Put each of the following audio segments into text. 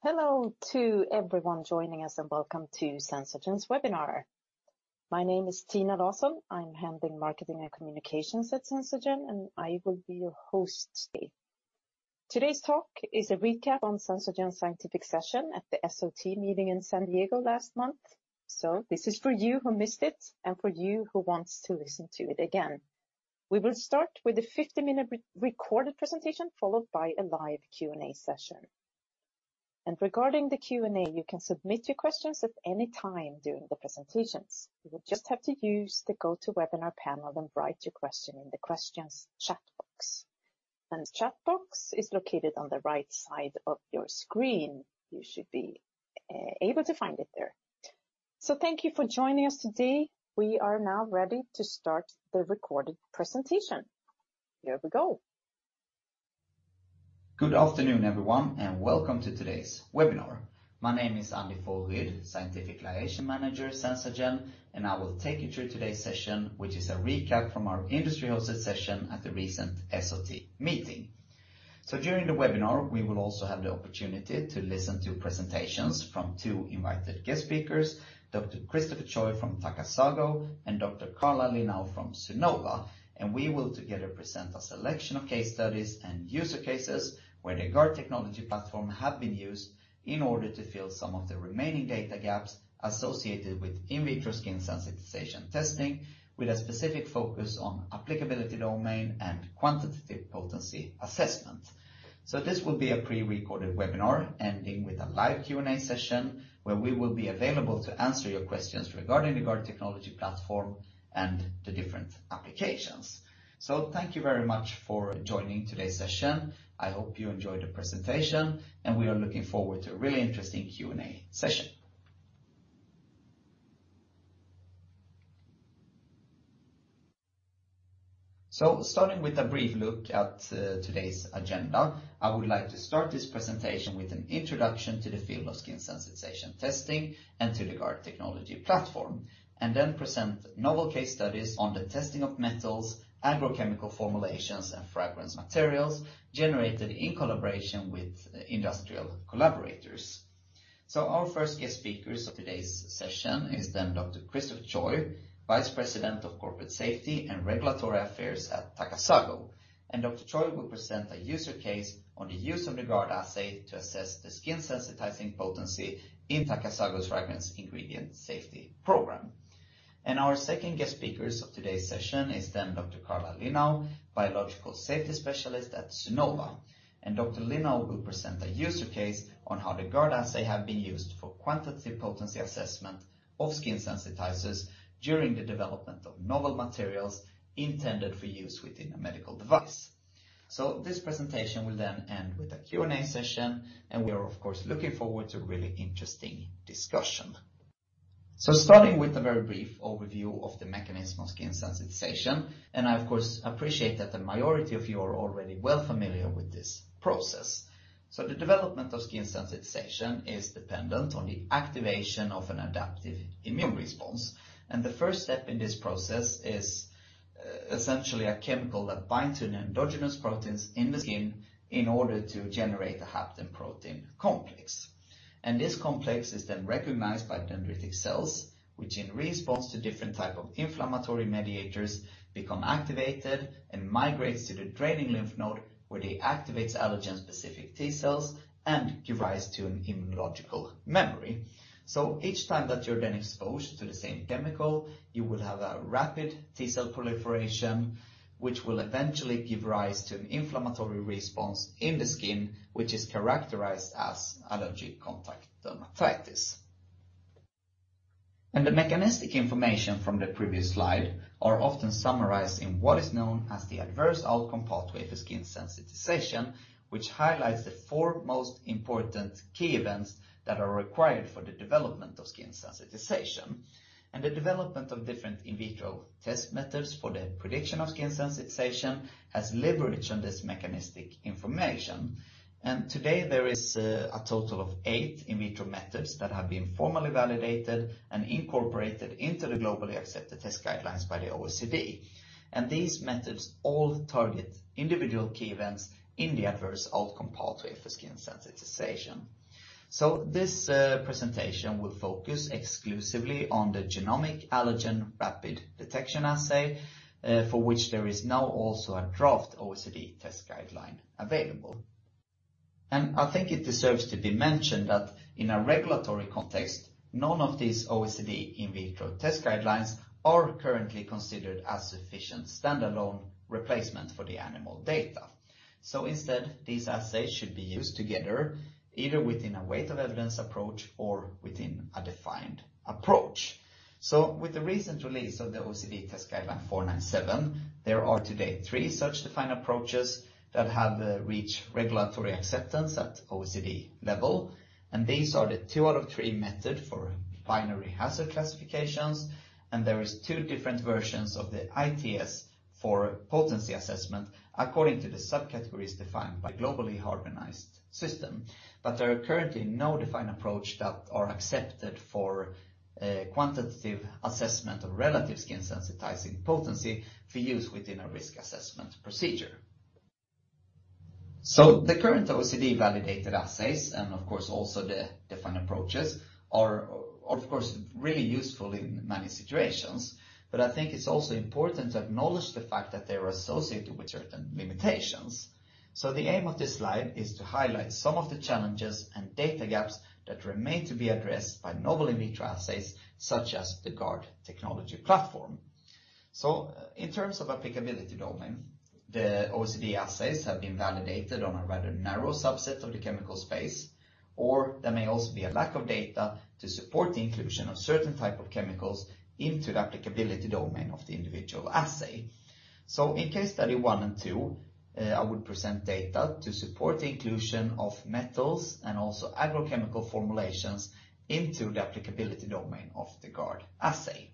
Hello to everyone joining us and welcome to SenzaGen's webinar. My name is Tina Lawesson. I'm handling marketing and communications at SenzaGen, and I will be your host today. Today's talk is a recap on SenzaGen's scientific session at the SOT meeting in San Diego last month. This is for you who missed it and for you who wants to listen to it again. We will start with a 50-minute recorded presentation, followed by a live Q&A session. Regarding the Q&A, you can submit your questions at any time during the presentations. You will just have to use the GoToWebinar panel and write your question in the questions chat box. The chat box is located on the right side of your screen. You should be able to find it there. Thank you for joining us today. We are now ready to start the recorded presentation. Here we go. Good afternoon, everyone, and welcome to today's webinar. My name is Andy Forreryd, Scientific Liaison Manager, SenzaGen, and I will take you through today's session, which is a recap from our industry hosted session at the recent SOT meeting. During the webinar, we will also have the opportunity to listen to presentations from two invited guest speakers, Dr. Christopher Choi from Takasago, and Dr. Karla Lienau from Sonova. We will together present a selection of case studies and user cases where the GARD technology platform have been used in order to fill some of the remaining data gaps associated with in vitro skin sensitization testing, with a specific focus on applicability domain and quantitative potency assessment. This will be a pre-recorded webinar ending with a live Q&A session, where we will be available to answer your questions regarding the GARD technology platform and the different applications. Thank you very much for joining today's session. I hope you enjoy the presentation, and we are looking forward to a really interesting Q&A session. Starting with a brief look at today's agenda, I would like to start this presentation with an introduction to the field of skin sensitization testing and to the GARD technology platform. Then present novel case studies on the testing of metals, agrochemical formulations, and fragrance materials generated in collaboration with industrial collaborators. Our first guest speakers of today's session is Dr. Christopher Choi, Vice President of Corporate Safety and Regulatory Affairs at Takasago. Dr. Choi will present a use case on the use of the GARD assay to assess the skin sensitizing potency in Takasago's fragrance ingredient safety program. Our second guest speakers of today's session is Dr. Karla Lienau, Biological Safety Specialist at Sonova. Dr. Karla Lienau will present a user case on how the GARD assay have been used for quantitative potency assessment of skin sensitizers during the development of novel materials intended for use within a medical device. This presentation will then end with a Q&A session, and we are, of course, looking forward to really interesting discussion. Starting with a very brief overview of the mechanism of skin sensitization, and I of course, appreciate that the majority of you are already well familiar with this process. The development of skin sensitization is dependent on the activation of an adaptive immune response. The first step in this process is essentially a chemical that binds to the endogenous proteins in the skin in order to generate a hapten-protein complex. This complex is then recognized by dendritic cells, which in response to different type of inflammatory mediators, become activated and migrates to the draining lymph node, where they activate allergen specific T cells and give rise to an immunological memory. Each time that you're then exposed to the same chemical, you will have a rapid T cell proliferation, which will eventually give rise to an inflammatory response in the skin, which is characterized as allergic contact dermatitis. The mechanistic information from the previous slide are often summarized in what is known as the adverse outcome pathway for skin sensitization, which highlights the four most important key events that are required for the development of skin sensitization. The development of different in vitro test methods for the prediction of skin sensitization has leveraged on this mechanistic information. Today, there is a total of eight in vitro methods that have been formally validated and incorporated into the globally accepted test guidelines by the OECD. These methods all target individual key events in the adverse outcome pathway for skin sensitization. This presentation will focus exclusively on the genomic allergen rapid detection assay, for which there is now also a draft OECD test guideline available. I think it deserves to be mentioned that in a regulatory context, none of these OECD in vitro test guidelines are currently considered a sufficient standalone replacement for the animal data. Instead, these assays should be used together, either within a weight of evidence approach or within a defined approach. With the recent release of the OECD Test Guideline 497, there are today three such defined approaches that have reached regulatory acceptance at OECD level. These are the two out of three method for binary hazard classifications. There is two different versions of the ITS for potency assessment, according to the subcategories defined by Globally Harmonized System. There are currently no defined approach that are accepted for quantitative assessment of relative skin sensitizing potency for use within a risk assessment procedure. The current OECD validated assays, and of course, also the defined approaches are, of course, really useful in many situations. I think it's also important to acknowledge the fact that they are associated with certain limitations. The aim of this slide is to highlight some of the challenges and data gaps that remain to be addressed by novel in vitro assays, such as the GARD technology platform. In terms of applicability domain, the OECD assays have been validated on a rather narrow subset of the chemical space, or there may also be a lack of data to support the inclusion of certain type of chemicals into the applicability domain of the individual assay. In case study one and two, I would present data to support the inclusion of metals and also agrochemical formulations into the applicability domain of the GARD assay.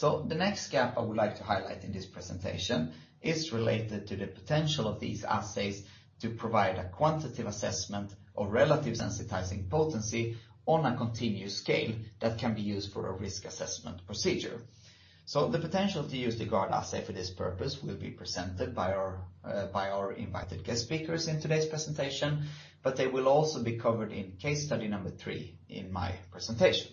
The next gap I would like to highlight in this presentation is related to the potential of these assays to provide a quantitative assessment of relative sensitizing potency on a continuous scale that can be used for a risk assessment procedure. The potential to use the GARD assay for this purpose will be presented by our invited guest speakers in today's presentation, but they will also be covered in case study number three in my presentation.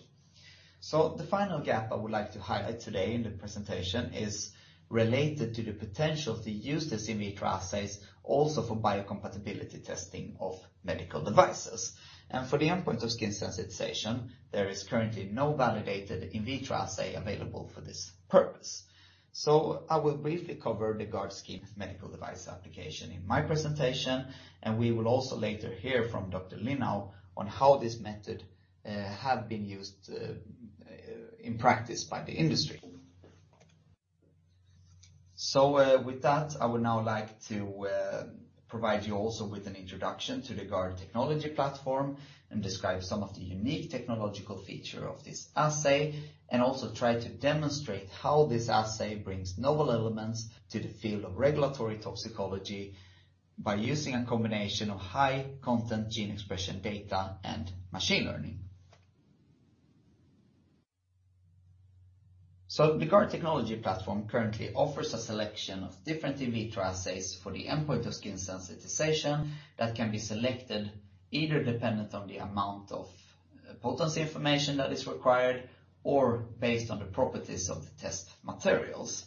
The final gap I would like to highlight today in the presentation is related to the potential to use this in vitro assays also for biocompatibility testing of medical devices. For the endpoint of skin sensitization, there is currently no validated in vitro assay available for this purpose. I will briefly cover the GARDskin medical device application in my presentation, and we will also later hear from Dr. Lienau on how this method has been used in practice by the industry. With that, I would now like to provide you also with an introduction to the GARD technology platform and describe some of the unique technological feature of this assay, and also try to demonstrate how this assay brings novel elements to the field of regulatory toxicology by using a combination of high content gene expression data and machine learning. The GARD technology platform currently offers a selection of different in vitro assays for the endpoint of skin sensitization that can be selected either dependent on the amount of potency information that is required or based on the properties of the test materials.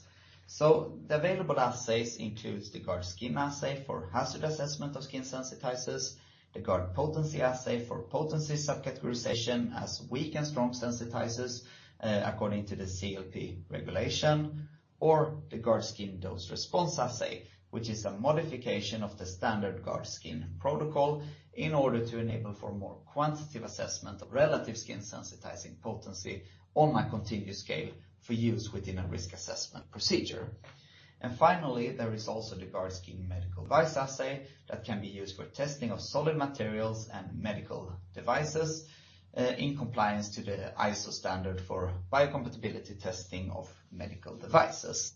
The available assays include the GARDskin assay for hazard assessment of skin sensitizers, the GARD potency assay for potency sub-categorization as weak and strong sensitizers, according to the CLP regulation, or the GARDskin dose response assay, which is a modification of the standard GARDskin protocol in order to enable for more quantitative assessment of relative skin sensitizing potency on a continuous scale for use within a risk assessment procedure. Finally, there is also the GARDskin medical device assay that can be used for testing of solid materials and medical devices, in compliance to the ISO standard for biocompatibility testing of medical devices.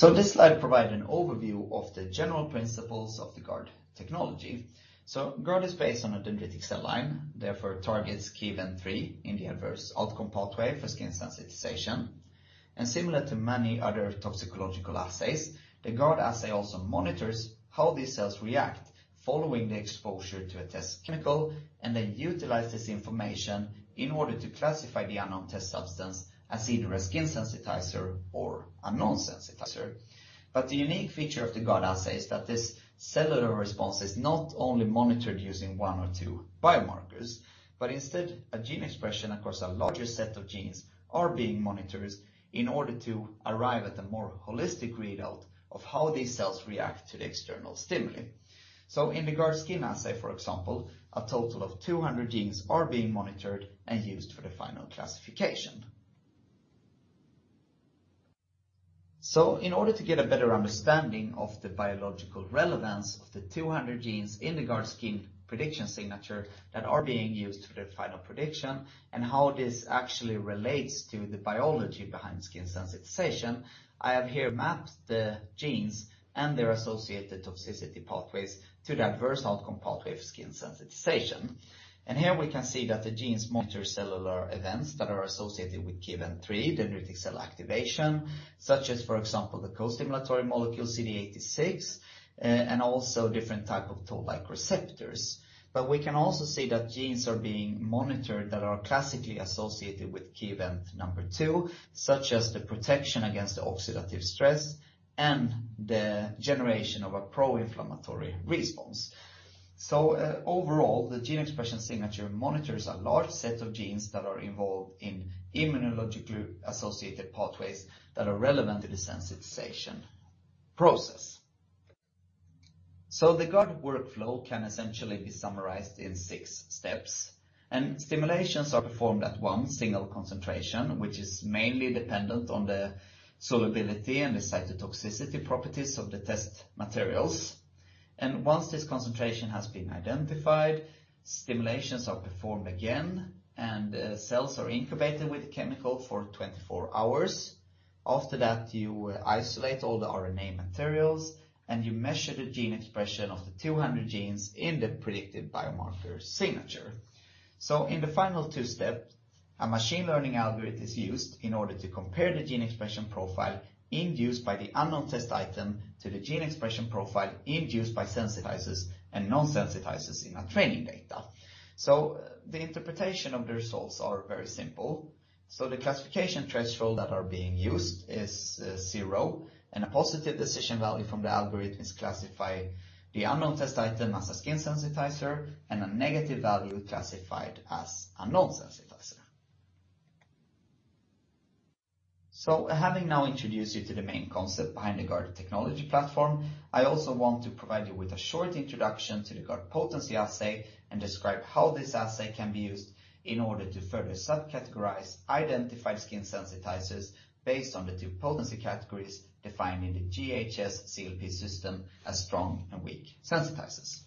This slide provides an overview of the general principles of the GARD technology. GARD is based on a dendritic cell line, therefore targets Key Event 3 in the adverse outcome pathway for skin sensitization. Similar to many other toxicological assays, the GARD assay also monitors how these cells react following the exposure to a test chemical and then utilize this information in order to classify the unknown test substance as either a skin sensitizer or a non-sensitizer. The unique feature of the GARD assay is that this cellular response is not only monitored using one or two biomarkers, but instead a gene expression across a larger set of genes are being monitored in order to arrive at a more holistic result of how these cells react to the external stimuli. In the GARDskin assay, for example, a total of 200 genes are being monitored and used for the final classification. In order to get a better understanding of the biological relevance of the 200 genes in the GARDskin prediction signature that are being used for the final prediction and how this actually relates to the biology behind skin sensitization, I have here mapped the genes and their associated toxicity pathways to the adverse outcome pathway of skin sensitization. Here we can see that the genes monitor cellular events that are associated with Key Event 3, dendritic cell activation, such as, for example, the costimulatory molecule CD86, and also different type of Toll-like receptors. We can also see that genes are being monitored that are classically associated with Key Event number 2, such as the protection against the oxidative stress and the generation of a proinflammatory response. Overall, the gene expression signature monitors a large set of genes that are involved in immunologically associated pathways that are relevant to the sensitization process. The GARD workflow can essentially be summarized in six steps, and stimulations are performed at one single concentration, which is mainly dependent on the solubility and the cytotoxicity properties of the test materials. Once this concentration has been identified, stimulations are performed again, and cells are incubated with the chemical for 24 hours. After that, you isolate all the RNA materials, and you measure the gene expression of the 200 genes in the predictive biomarker signature. In the final two steps, a machine learning algorithm is used in order to compare the gene expression profile induced by the unknown test item to the gene expression profile induced by sensitizers and non-sensitizers in our training data. The interpretation of the results are very simple. The classification threshold that are being used is zero and a positive decision value from the algorithm is classified the unknown test item as a skin sensitizer and a negative value classified as a non-sensitizer. Having now introduced you to the main concept behind the GARD technology platform, I also want to provide you with a short introduction to the GARD potency assay and describe how this assay can be used in order to further sub-categorize identified skin sensitizers based on the two potency categories defined in the GHS CLP system as strong and weak sensitizers.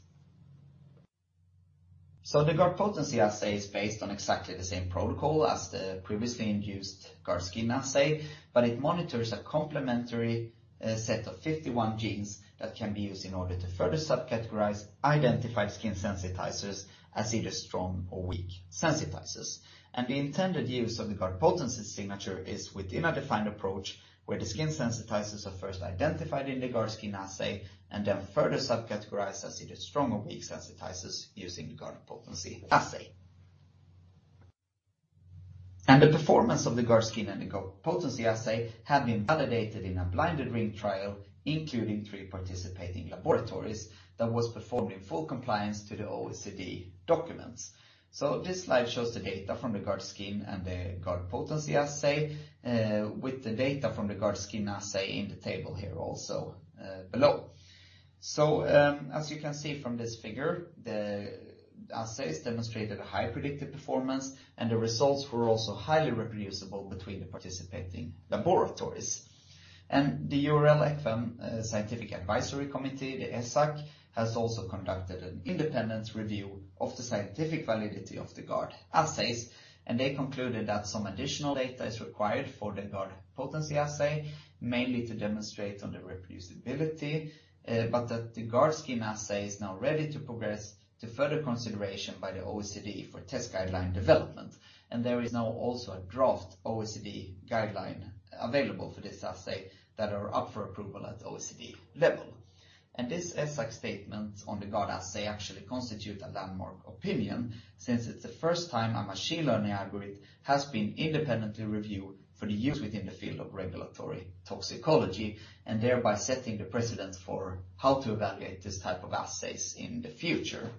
The GARD potency assay is based on exactly the same protocol as the previously induced GARDskin assay, but it monitors a complementary set of 51 genes that can be used in order to further sub-categorize identified skin sensitizers as either strong or weak sensitizers. The intended use of the GARD potency signature is within a defined approach where the skin sensitizers are first identified in the GARDskin assay and then further sub-categorized as either strong or weak sensitizers using the GARD potency assay. The performance of the GARDskin and the potency assay have been validated in a blinded ring trial, including three participating laboratories, that was performed in full compliance to the OECD documents. This slide shows the data from the GARDskin and the GARD potency assay, with the data from the GARDskin assay in the table here also, below. As you can see from this figure, the assays demonstrated a high predicted performance, and the results were also highly reproducible between the participating laboratories. The EURL ECVAM Scientific Advisory Committee, the ESAC, has also conducted an independent review of the scientific validity of the GARD assays. They concluded that some additional data is required for the GARD potency assay, mainly to demonstrate on the reproducibility, but that the GARDskin assay is now ready to progress to further consideration by the OECD for test guideline development. There is now also a draft OECD guideline available for this assay that are up for approval at OECD level. This ESAC statement on the GARD assay actually constitute a landmark opinion, since it's the first time a machine learning algorithm has been independently reviewed for the use within the field of regulatory toxicology, and thereby setting the precedent for how to evaluate this type of assays in the future.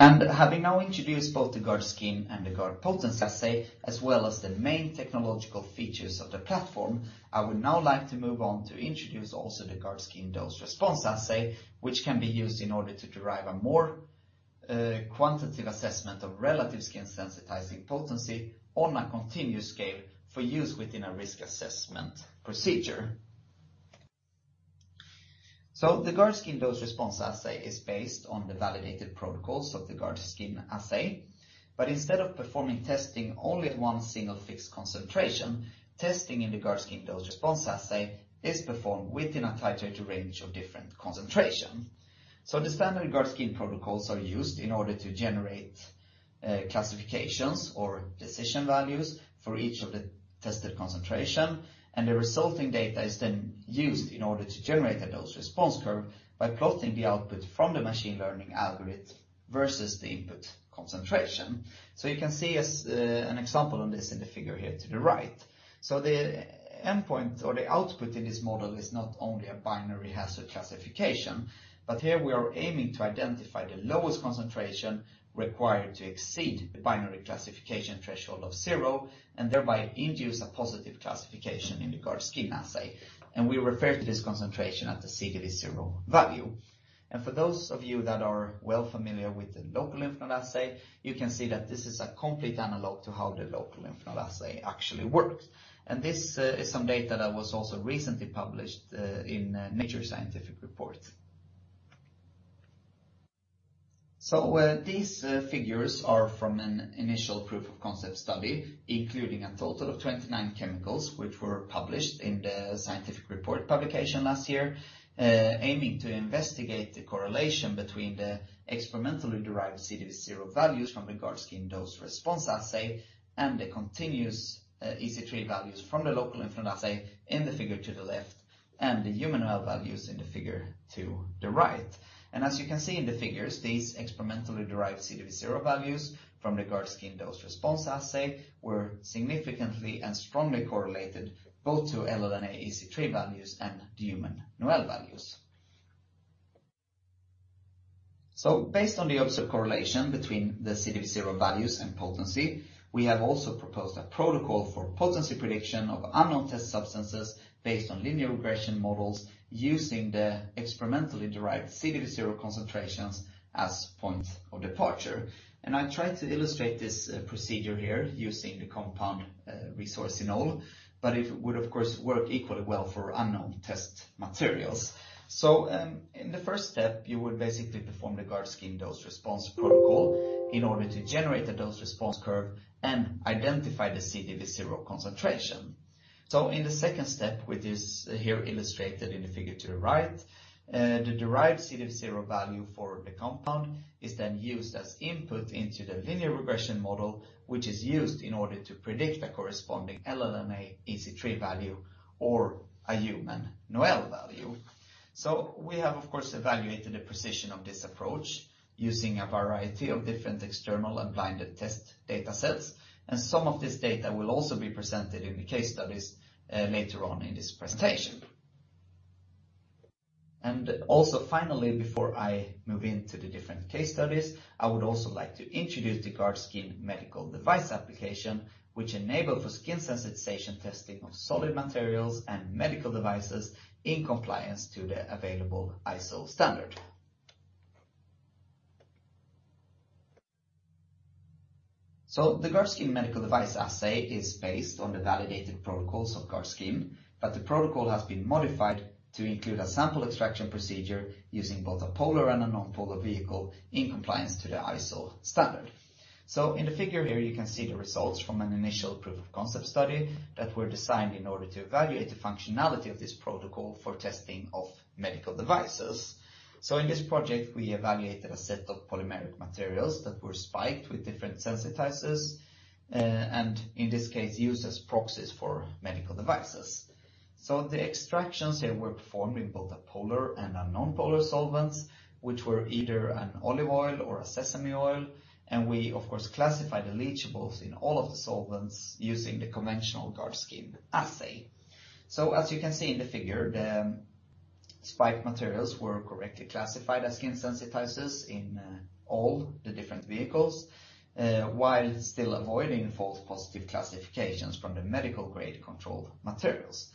Having now introduced both the GARDskin and the GARD potency assay, as well as the main technological features of the platform, I would now like to move on to introduce also the GARDskin dose-response assay, which can be used in order to derive a more, quantitative assessment of relative skin sensitizing potency on a continuous scale for use within a risk assessment procedure. The GARDskin dose-response assay is based on the validated protocols of the GARDskin assay. Instead of performing testing only at one single fixed concentration, testing in the GARDskin Dose-Response assay is performed within a titrated range of different concentration. The standard GARDskin protocols are used in order to generate classifications or decision values for each of the tested concentration, and the resulting data is then used in order to generate a dose response curve by plotting the output from the machine learning algorithm versus the input concentration. You can see as an example on this in the figure here to the right. The endpoint or the output in this model is not only a binary hazard classification, but here we are aiming to identify the lowest concentration required to exceed the binary classification threshold of zero and thereby induce a positive classification in the GARDskin assay. We refer to this concentration at the CDV0 value. For those of you that are well familiar with the local lymph node assay, you can see that this is a complete analog to how the local lymph node assay actually works. This is some data that was also recently published in Nature Scientific Reports. These figures are from an initial proof of concept study, including a total of 29 chemicals which were published in the Scientific Reports publication last year, aiming to investigate the correlation between the experimentally derived cDV0 values from the GARDskin Dose-Response assay and the continuous EC3 values from the local lymph node assay in the figure to the left and the human NOEL values in the figure to the right. As you can see in the figures, these experimentally derived cDV0 values from the GARDskin Dose-Response assay were significantly and strongly correlated both to LLNA EC3 values and the human NOEL values. Based on the observed correlation between the cDV0 values and potency, we have also proposed a protocol for potency prediction of unknown test substances based on linear regression models using the experimentally derived cDV0 concentrations as points of departure. I tried to illustrate this procedure here using the compound resorcinol, but it would of course work equally well for unknown test materials. In the first step, you would basically perform the GARDskin Dose-Response protocol in order to generate a dose-response curve and identify the cDV0 concentration. In the second step, which is here illustrated in the figure to the right, the derived cDV0 value for the compound is then used as input into the linear regression model, which is used in order to predict a corresponding LLNA EC3 value or a human NOEL value. We have of course evaluated the precision of this approach using a variety of different external and blinded test data sets, and some of this data will also be presented in the case studies later on in this presentation. Also finally, before I move into the different case studies, I would also like to introduce the GARDskin Medical Device application, which enable for skin sensitization testing of solid materials and medical devices in compliance to the available ISO standard. The GARDskin Medical Device assay is based on the validated protocols of GARDskin, but the protocol has been modified to include a sample extraction procedure using both a polar and a non-polar vehicle in compliance to the ISO standard. In the figure here, you can see the results from an initial proof of concept study that were designed in order to evaluate the functionality of this protocol for testing of medical devices. In this project, we evaluated a set of polymeric materials that were spiked with different sensitizers, and in this case, used as proxies for medical devices. The extractions here were performed in both a polar and a non-polar solvents, which were either an olive oil or a sesame oil, and we of course classified the leachables in all of the solvents using the conventional GARDskin assay. As you can see in the figure, the spiked materials were correctly classified as skin sensitizers in all the different vehicles, while still avoiding false positive classifications from the medical-grade control materials.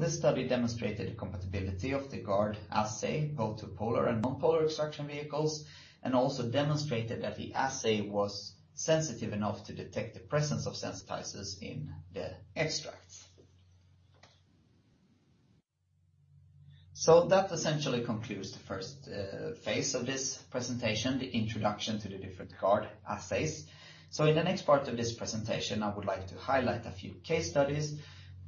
This study demonstrated the compatibility of the GARD assay, both to polar and non-polar extraction vehicles, and also demonstrated that the assay was sensitive enough to detect the presence of sensitizers in the extracts. That essentially concludes the first phase of this presentation, the introduction to the different GARD assays. In the next part of this presentation, I would like to highlight a few case studies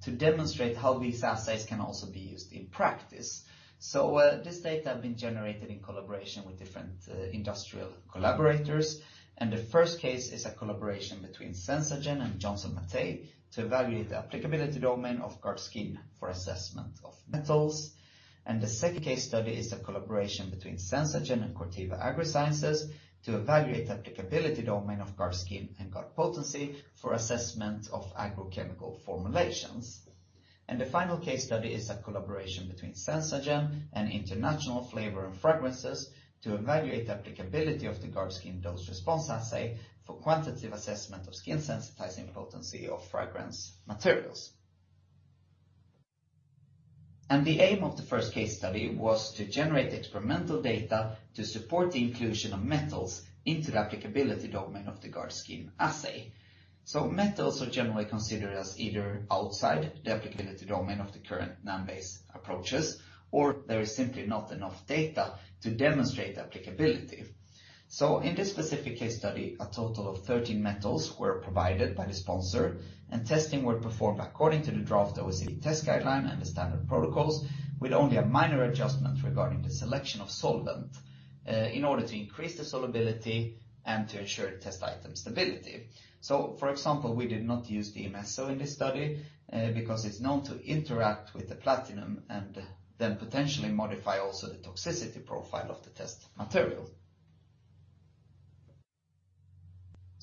to demonstrate how these assays can also be used in practice. This data have been generated in collaboration with different, industrial collaborators, and the first case is a collaboration between SenzaGen and Johnson Matthey to evaluate the applicability domain of GARDskin for assessment of metals. The second case study is a collaboration between SenzaGen and Corteva Agriscience to evaluate the applicability domain of GARDskin and GARDpotency for assessment of agrochemical formulations. The final case study is a collaboration between SenzaGen and International Flavors & Fragrances to evaluate the applicability of the GARDskin Dose-Response assay for quantitative assessment of skin sensitizing potency of fragrance materials. The aim of the first case study was to generate experimental data to support the inclusion of metals into the applicability domain of the GARDskin assay. Metals are generally considered as either outside the applicability domain of the current NAM-based approaches, or there is simply not enough data to demonstrate the applicability. In this specific case study, a total of 13 metals were provided by the sponsor, and testing were performed according to the draft OECD test guideline and the standard protocols, with only a minor adjustment regarding the selection of solvent in order to increase the solubility and to ensure the test item stability. For example, we did not use DMSO in this study because it's known to interact with the platinum and then potentially modify also the toxicity profile of the test material.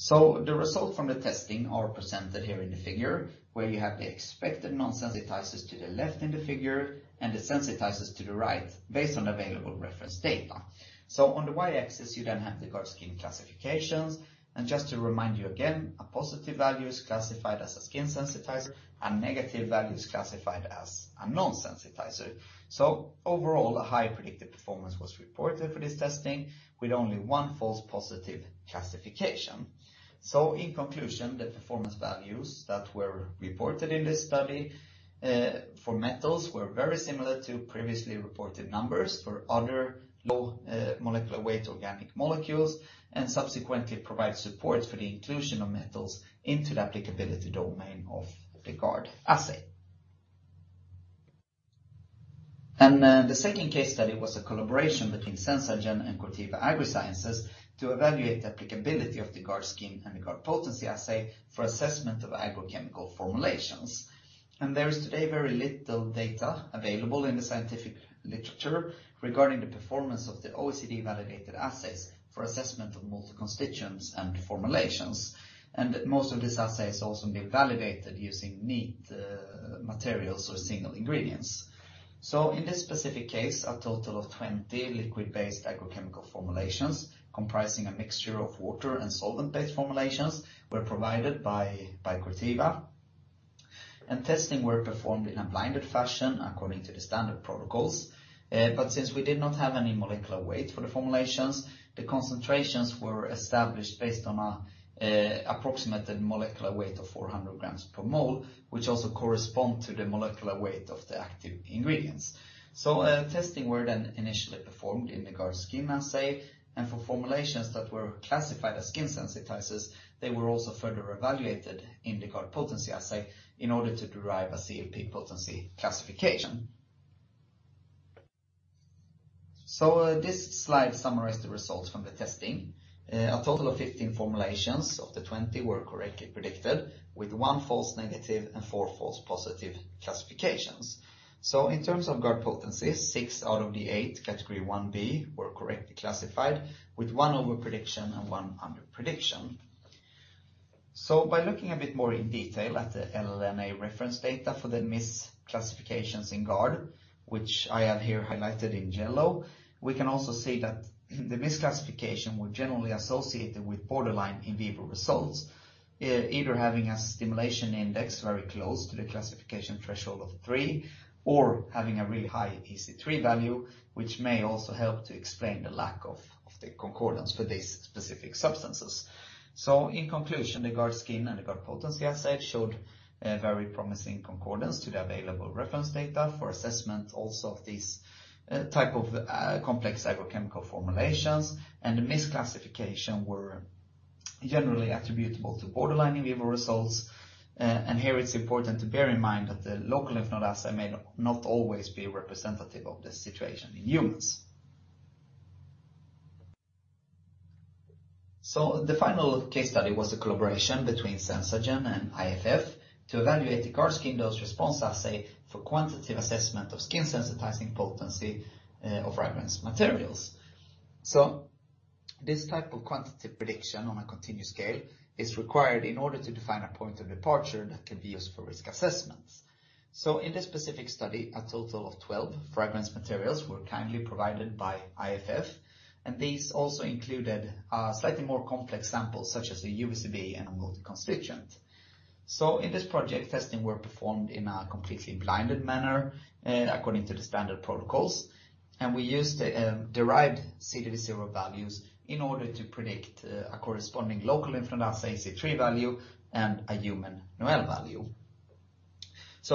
The result from the testing are presented here in the figure, where you have the expected non-sensitizers to the left in the figure and the sensitizers to the right based on available reference data. On the y-axis, you then have the GARDskin classifications. Just to remind you again, a positive value is classified as a skin sensitizer and negative value is classified as a non-sensitizer. Overall, a high predicted performance was reported for this testing with only one false positive classification. In conclusion, the performance values that were reported in this study for metals were very similar to previously reported numbers for other low molecular weight organic molecules, and subsequently provide support for the inclusion of metals into the applicability domain of the GARD assay. The second case study was a collaboration between SenzaGen and Corteva Agriscience to evaluate the applicability of the GARDskin and the GARDpotency assay for assessment of agrochemical formulations. There is today very little data available in the scientific literature regarding the performance of the OECD-validated assays for assessment of multi-constituents and formulations. Most of these assays also been validated using neat materials or single ingredients. In this specific case, a total of 20 liquid-based agrochemical formulations comprising a mixture of water and solvent-based formulations were provided by Corteva. Testing were performed in a blinded fashion according to the standard protocols. Since we did not have any molecular weight for the formulations, the concentrations were established based on an approximated molecular weight of 400 g per mole, which also correspond to the molecular weight of the active ingredients. Testing were then initially performed in the GARDskin assay, and for formulations that were classified as skin sensitizers, they were also further evaluated in the GARDpotency assay in order to derive a CLP potency classification. This slide summarizes the results from the testing. A total of 15 formulations of the 20 were correctly predicted, with one false negative and four false positive classifications. In terms of GARD potencies, six out of the eight category 1B were correctly classified, with one over-prediction and one under-prediction. By looking a bit more in detail at the LLNA reference data for the misclassifications in GARD, which I have here highlighted in yellow, we can also see that the misclassification were generally associated with borderline in vivo results. Either having a stimulation index very close to the classification threshold of three, or having a really high EC3 value, which may also help to explain the lack of the concordance for these specific substances. In conclusion, the GARDskin and the GARD potency assay showed very promising concordance to the available reference data for assessment also of these type of complex phytochemical formulations, and the misclassification were generally attributable to borderline in vivo results. Here it's important to bear in mind that the local lymph node assay may not always be representative of the situation in humans. The final case study was a collaboration between SenzaGen and IFF to evaluate the GARDskin Dose-Response assay for quantitative assessment of skin sensitizing potency of fragrance materials. This type of quantitative prediction on a continuous scale is required in order to define a point of departure that can be used for risk assessments. In this specific study, a total of 12 fragrance materials were kindly provided by IFF, and these also included slightly more complex samples, such as a UVCB and a multi-constituent. In this project, testing were performed in a completely blinded manner according to the standard protocols. We used derived cDV0 values in order to predict a corresponding Local Lymph Node Assay EC3 value and a human NOEL value.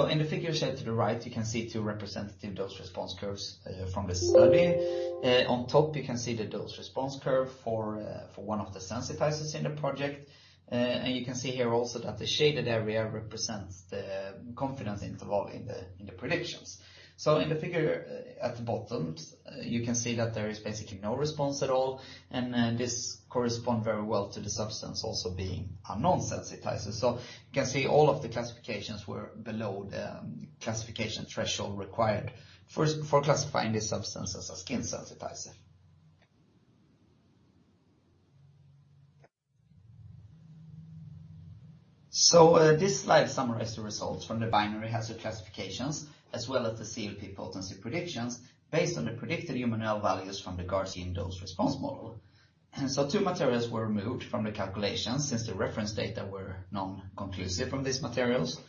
In the figure set to the right, you can see two representative dose-response curves from the study. On top, you can see the dose-response curve for one of the sensitizers in the project. You can see here also that the shaded area represents the confidence interval in the predictions. In the figure, at the bottom, you can see that there is basically no response at all, and this corresponds very well to the substance also being a non-sensitizer. You can see all of the classifications were below the classification threshold required for classifying these substances as skin sensitizer. This slide summarizes the results from the binary hazard classifications, as well as the CLP potency predictions based on the predicted human NOEL values from the GARDskin Dose-Response model. Two materials were removed from the calculations since the reference data were non-conclusive from these materials.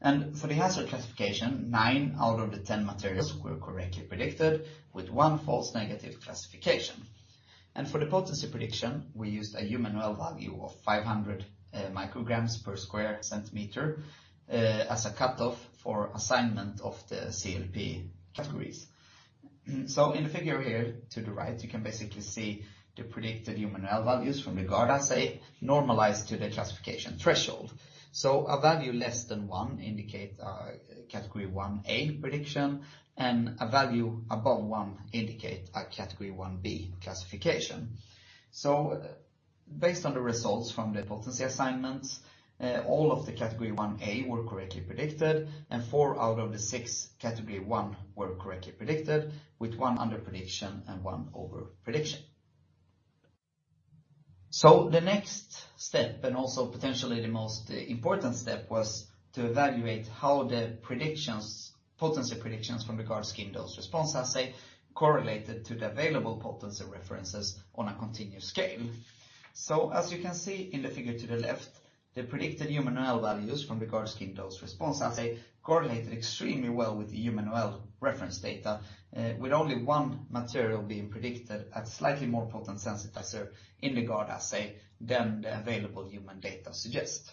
For the hazard classification, nine out of the 10 materials were correctly predicted, with one false negative classification. For the potency prediction, we used a human NOEL value of 500 mcg/cm² as a cutoff for assignment of the CLP categories. In the figure here to the right, you can basically see the predicted human NOEL values from the GARD assay normalized to the classification threshold. A value less than one indicate Category 1A prediction and a value above one indicate a Category 1B classification. Based on the results from the potency assignments, all of the Category 1A were correctly predicted, and four out of the six Category 1B were correctly predicted, with one under-prediction and one over-prediction. The next step, and also potentially the most important step, was to evaluate how the predictions, potency predictions from the GARDskin Dose-Response assay correlated to the available potency references on a continuous scale. As you can see in the figure to the left, the predicted human NOEL values from the GARDskin Dose-Response assay correlated extremely well with the human NOEL reference data, with only one material being predicted at slightly more potent sensitizer in the GARD assay than the available human data suggest.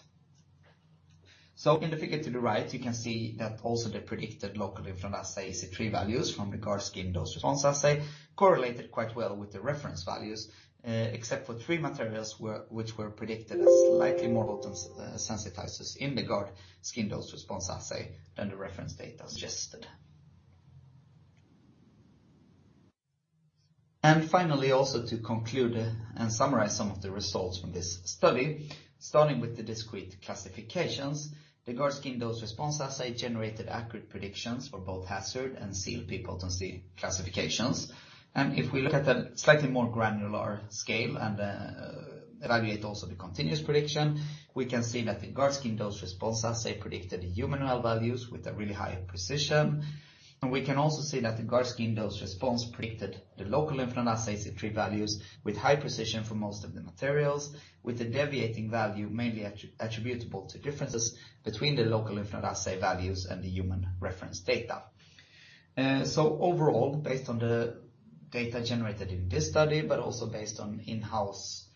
In the figure to the right, you can see that also the predicted Local Lymph Node Assay EC3 values from the GARDskin Dose-Response assay correlated quite well with the reference values, except for three materials, which were predicted as slightly more potent sensitizers in the GARDskin Dose-Response assay than the reference data suggested. Finally, also to conclude and summarize some of the results from this study, starting with the discrete classifications, the GARDskin Dose-Response assay generated accurate predictions for both hazard and CLP potency classifications. If we look at a slightly more granular scale and evaluate also the continuous prediction, we can see that the GARDskin Dose-Response assay predicted the human NOEL values with a really high precision. We can also see that the GARDskin Dose-Response predicted the Local Lymph Node Assay EC3 values with high precision for most of the materials, with the deviating value mainly attributable to differences between the Local Lymph Node Assay values and the human reference data. Overall, based on the data generated in this study, but also based on in-house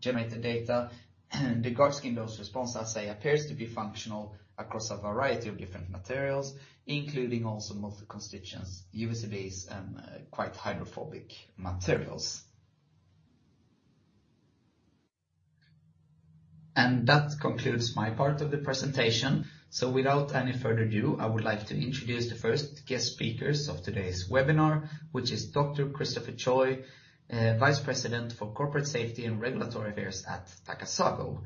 generated data, the GARDskin Dose-Response assay appears to be functional across a variety of different materials, including also multi-constituents, UVCBs and quite hydrophobic materials. That concludes my part of the presentation. Without any further ado, I would like to introduce the first guest speakers of today's webinar, which is Dr. Christopher Choi, Vice President for Corporate Safety and Regulatory Affairs at Takasago.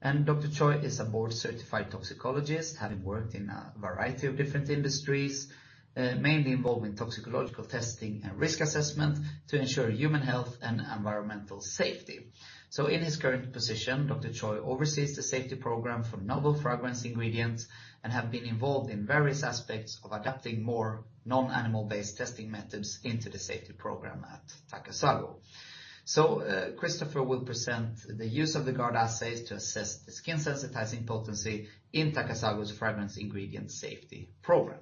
Dr. Choi is a board-certified toxicologist, having worked in a variety of different industries, mainly involved in toxicological testing and risk assessment to ensure human health and environmental safety. In his current position, Dr. Choi oversees the safety program for novel fragrance ingredients and have been involved in various aspects of adapting more non-animal-based testing methods into the safety program at Takasago. Christopher will present the use of the GARD assays to assess the skin sensitizing potency in Takasago's fragrance ingredient safety program.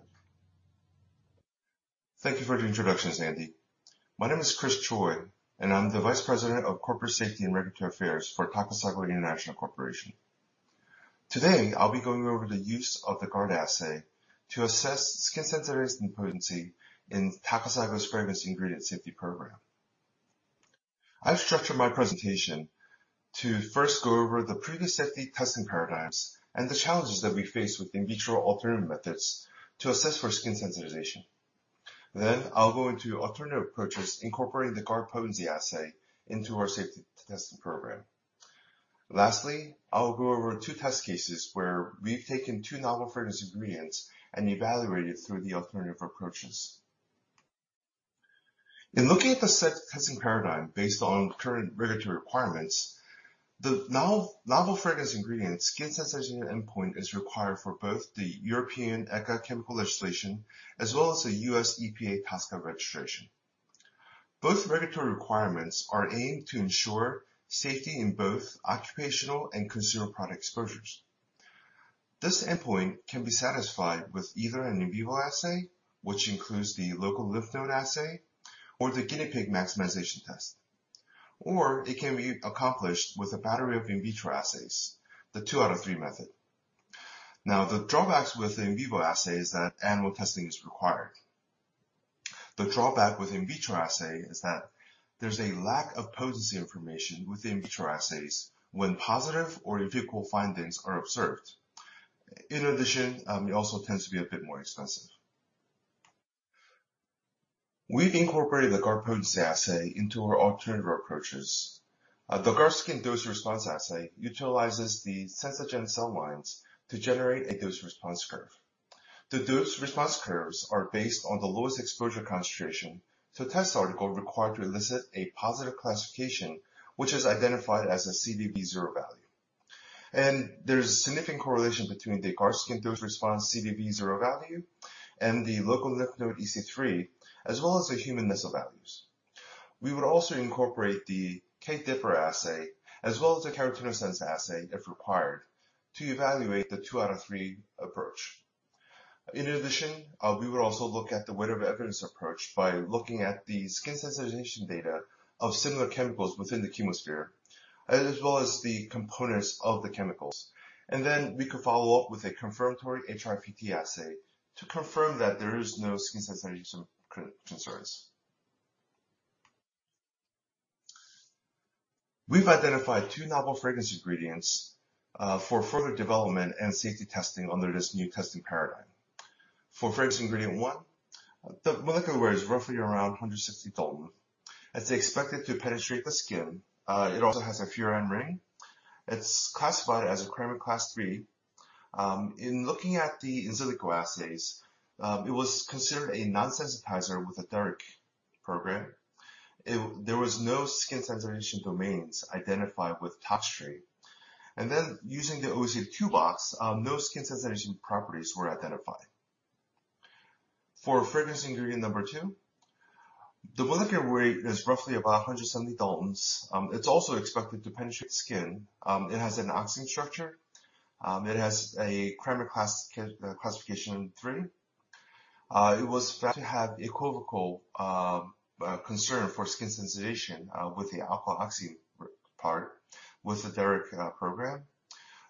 Thank you for the introduction, Andy. My name is Chris Choi, and I'm the Vice President of Corporate Safety and Regulatory Affairs for Takasago International Corporation. Today, I'll be going over the use of the GARD assay to assess skin sensitization potency in Takasago's fragrance ingredient safety program. I've structured my presentation to first go over the previous safety testing paradigms and the challenges that we face with in vitro alternative methods to assess for skin sensitization. Then I'll go into alternative approaches incorporating the GARD potency assay into our safety testing program. Lastly, I will go over two test cases where we've taken two novel fragrance ingredients and evaluated through the alternative approaches. In looking at the standard testing paradigm based on current regulatory requirements, the novel fragrance ingredients, skin sensitization endpoint is required for both the European ECHA chemical legislation as well as the U.S. EPA TSCA registration. Both regulatory requirements are aimed to ensure safety in both occupational and consumer product exposures. This endpoint can be satisfied with either an in vivo assay, which includes the Local Lymph Node Assay or the guinea pig maximization test. It can be accomplished with a battery of in vitro assays, the two out of three method. Now, the drawbacks with in vivo assay is that animal testing is required. The drawback with in vitro assay is that there's a lack of potency information with in vitro assays when positive or equivocal findings are observed. In addition, it also tends to be a bit more expensive. We've incorporated the GARD potency assay into our alternative approaches. The GARDskin Dose-Response assay utilizes the SenzaGen cell lines to generate a dose-response curve. The Dose-Response curves are based on the lowest exposure concentration to test article required to elicit a positive classification which is identified as a cDV0 value. There's a significant correlation between the GARDskin Dose-Response cDV0 value and the Local Lymph Node EC3 as well as the human NESIL values. We would also incorporate the DPRA assay as well as the KeratinoSens assay, if required, to evaluate the two out of three approach. In addition, we would also look at the weight of evidence approach by looking at the skin sensitization data of similar chemicals within the chemical space, as well as the components of the chemicals. Then we could follow up with a confirmatory HRIPT assay to confirm that there is no skin sensitization concerns. We've identified two novel fragrance ingredients, for further development and safety testing under this new testing paradigm. For fragrance ingredient one, the molecular weight is roughly around 160 Dalton as they expect it to penetrate the skin. It also has a furan ring. It's classified as a Cramer class III. In looking at the in silico assays, it was considered a non-sensitizer with the Derek Nexus program. There was no skin sensitization domains identified with Toxtree. Using the OECD Toolbox, no skin sensitization properties were identified. For fragrance ingredient number two, the molecular weight is roughly about 170 Daltons. It's also expected to penetrate skin. It has an oxime structure. It has a Cramer class classification three. It was found to have equivocal concern for skin sensitization with the alkoxy part with the Derek program.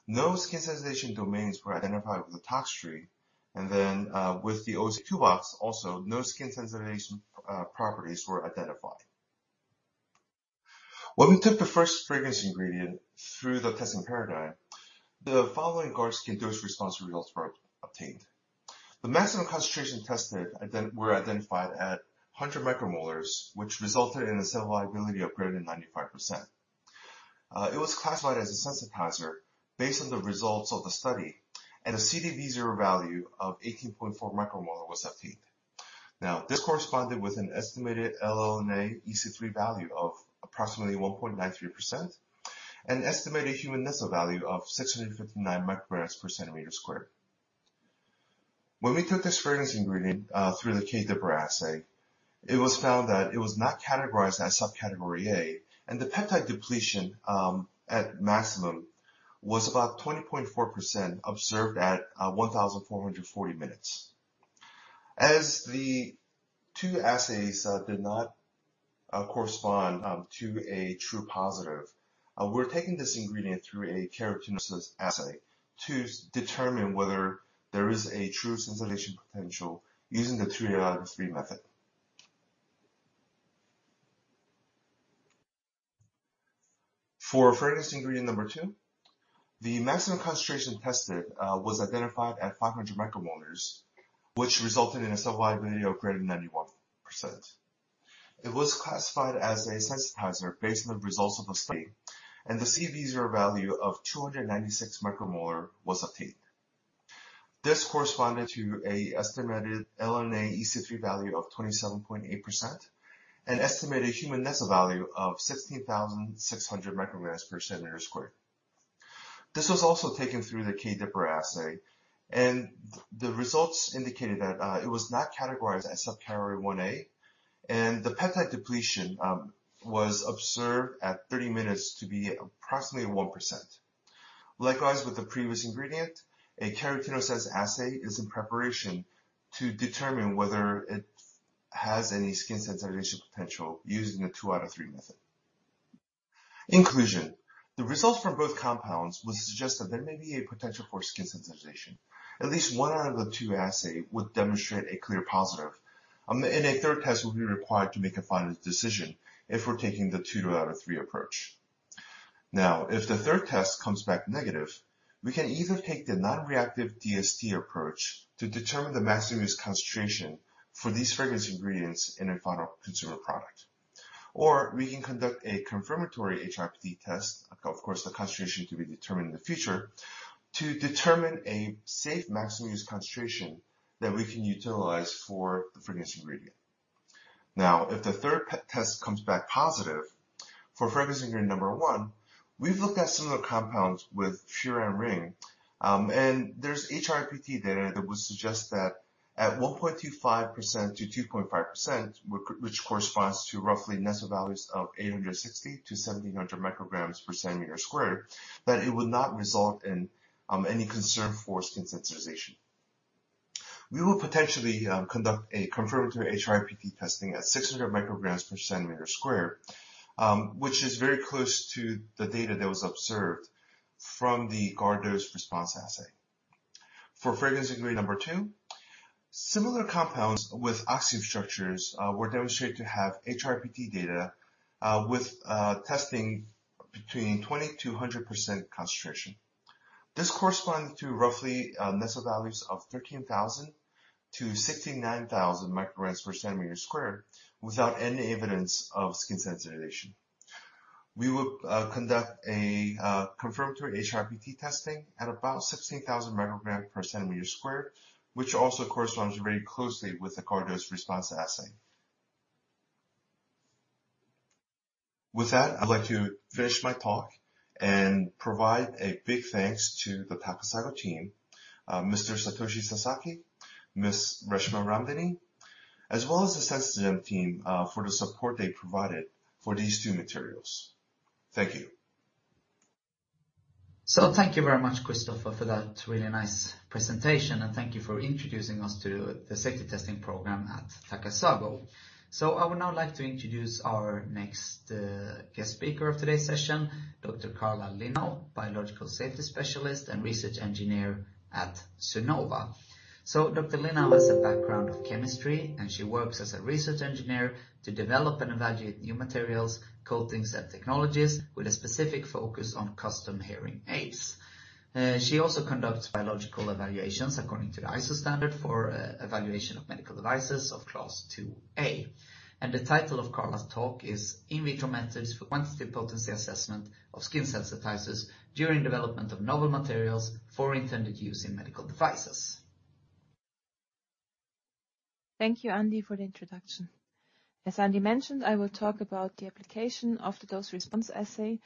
No skin sensitization domains were identified with the Toxtree, and then with the OECD Toolbox also, no skin sensitization properties were identified. When we took the first fragrance ingredient through the testing paradigm, the following GARDskin Dose-Response results were obtained. The maximum concentration tested was identified at 100 micromolars, which resulted in a cell viability of greater than 95%. It was classified as a sensitizer based on the results of the study, and a cDV0 value of 18.4 micromolar was obtained. Now, this corresponded with an estimated LLNA EC3 value of approximately 1.93%, an estimated human NESIL value of 659 mcg/cm². When we took this fragrance ingredient through the DPRA assay, it was found that it was not categorized as subcategory A, and the peptide depletion at maximum was about 20.4% observed at 1,440 minutes. As the two assays did not correspond to a true positive, we're taking this ingredient through a KeratinoSens assay to determine whether there is a true sensitization potential using the three out of three method. For fragrance ingredient number two, the maximum concentration tested was identified at 500 micromolar, which resulted in a cell viability of greater than 91%. It was classified as a sensitizer based on the results of the study, and the cDV0 value of 296 micromolar was obtained. This corresponded to an estimated LLNA EC3 value of 27.8%, an estimated human NESIL value of 16,600 mcg/cm². This was also taken through the KeratinoSens assay, and the results indicated that it was not categorized as subcategory 1A, and the peptide depletion was observed at 30 minutes to be approximately 1%. Likewise, with the previous ingredient, a KeratinoSens assay is in preparation to determine whether it has any skin sensitization potential using the two out of three method. In conclusion, the results from both compounds would suggest that there may be a potential for skin sensitization. At least one out of the two assay would demonstrate a clear positive, and a third test will be required to make a final decision if we're taking the two out of three approach. Now, if the third test comes back negative, we can either take the non-reactive DST approach to determine the maximum use concentration for these fragrance ingredients in a final consumer product. We can conduct a confirmatory HRIPT test, of course, the concentration to be determined in the future, to determine a safe maximum use concentration that we can utilize for the fragrance ingredient. Now, if the third test comes back positive for fragrance ingredient number one, we've looked at similar compounds with furan ring, and there's HRIPT data that would suggest that at 1.25%-2.5%, which corresponds to roughly NESIL values of 860-1700 mcg/cm², that it would not result in any concern for skin sensitization. We will potentially conduct a confirmatory HRIPT testing at 600 mcg/cm², which is very close to the data that was observed from the GARDskin Dose-Response assay. For fragrance ingredient number two, similar compounds with oxime structures were demonstrated to have HRIPT data with testing between 20%-100% concentration. This corresponds to roughly NESIL values of 13,000 mcg/cm²-69,000 mcg/cm² without any evidence of skin sensitization. We will conduct a confirmatory HRIPT testing at about 16,000 mcg/cm², which also corresponds very closely with the GARDskin Dose-Response assay. With that, I'd like to finish my talk and provide a big thanks to the Takasago team, Mr. Satoshi Sasaki, Reshma Ramdhany, as well as the SenzaGen team, for the support they provided for these two materials. Thank you. Thank you very much, Christopher, for that really nice presentation, and thank you for introducing us to the safety testing program at Takasago. I would now like to introduce our next guest speaker of today's session, Dr. Karla Lienau, Biological Safety Specialist and Research Engineer at Sonova. Dr. Lienau has a background of chemistry, and she works as a Research Engineer to develop and evaluate new materials, coatings, and technologies with a specific focus on custom hearing aids. She also conducts biological evaluations according to the ISO standard for evaluation of medical devices of class IIA. The title of Karla's talk is In Vitro Methods for Quantitative Potency Assessment of Skin Sensitizers during Development of Novel Materials for Intended Use in Medical Devices. Thank you, Andy, for the introduction. As Andy mentioned, I will talk about the application of the dose-response assay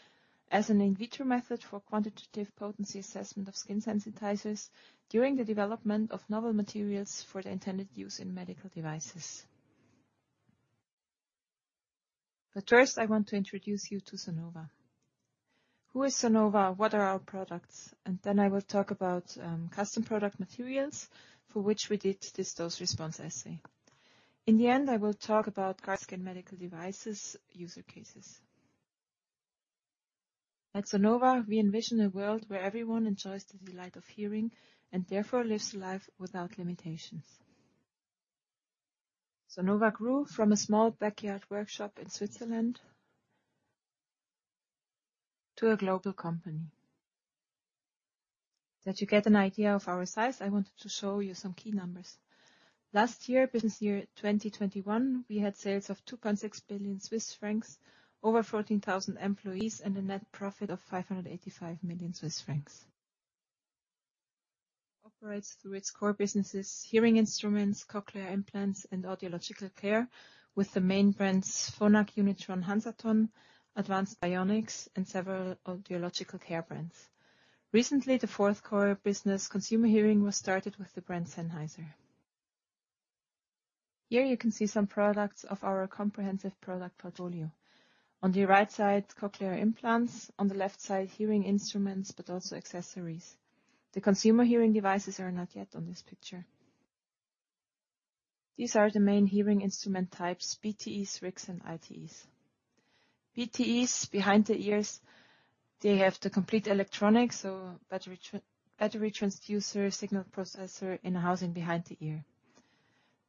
as an in vitro method for quantitative potency assessment of skin sensitizers during the development of novel materials for the intended use in medical devices. First, I want to introduce you to Sonova. Who is Sonova? What are our products? I will talk about custom product materials for which we did this dose-response assay. In the end, I will talk about GARDskin Medical Device use cases. At Sonova, we envision a world where everyone enjoys the delight of hearing and therefore lives life without limitations. Sonova grew from a small backyard workshop in Switzerland to a global company. To give you an idea of our size, I wanted to show you some key numbers. Last year, business year 2021, we had sales of 2.6 billion Swiss francs, over 14,000 employees, and a net profit of 585 million Swiss francs. Operates through its core businesses, hearing instruments, cochlear implants, and audiological care with the main brands, Phonak, Unitron, Hansaton, Advanced Bionics, and several audiological care brands. Recently, the fourth core business consumer hearing was started with the brand Sennheiser. Here you can see some products of our comprehensive product portfolio. On the right side, cochlear implants, on the left side, hearing instruments, but also accessories. The consumer hearing devices are not yet on this picture. These are the main hearing instrument types, BTEs, RICs, and ITEs. BTEs, Behind-The-Ears, they have the complete electronics, so battery, transceiver, transducer, signal processor in a housing behind the ear.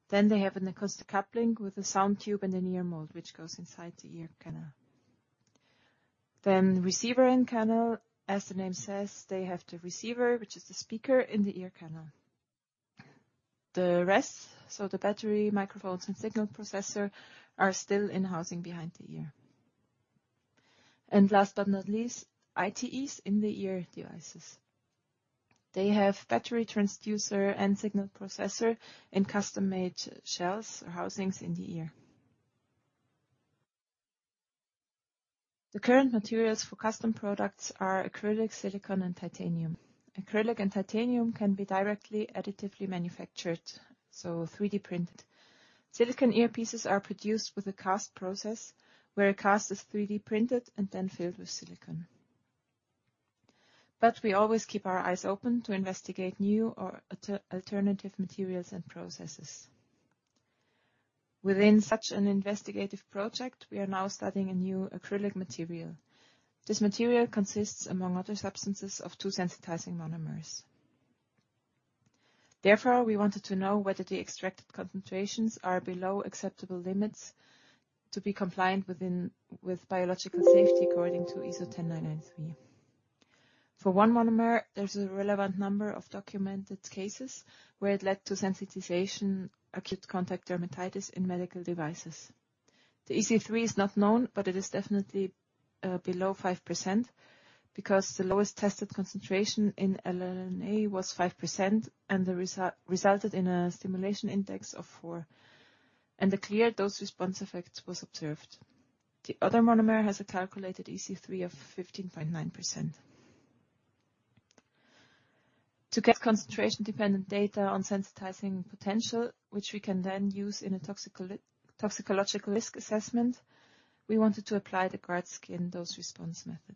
They have an acoustic coupling with a sound tube and an ear mold, which goes inside the ear canal. Receiver in canal, as the name says, they have the receiver, which is the speaker in the ear canal. The rest, so the battery, microphones, and signal processor are still in housing behind the ear. Last but not least, ITEs, In-The-Ear devices. They have battery, transducer and signal processor in custom-made shells or housings in the ear. The current materials for custom products are acrylic, silicone, and titanium. Acrylic and titanium can be directly additively manufactured, so 3D printed. Silicone earpieces are produced with a cast process, where a cast is 3D printed and then filled with silicone. We always keep our eyes open to investigate new or alternative materials and processes. Within such an investigative project, we are now studying a new acrylic material. This material consists, among other substances, of two sensitizing monomers. Therefore, we wanted to know whether the extracted concentrations are below acceptable limits to be compliant with biological safety according to ISO 10993. For one monomer, there's a relevant number of documented cases where it led to sensitization, acute contact dermatitis in medical devices. The EC3 is not known, but it is definitely below 5% because the lowest tested concentration in LLNA was 5% and resulted in a stimulation index of four, and a clear dose-response effect was observed. The other monomer has a calculated EC3 of 15.9%. To get concentration-dependent data on sensitizing potential, which we can then use in a toxicological risk assessment, we wanted to apply the GARDskin Dose-Response method.